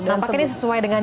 apakah ini sesuai dengan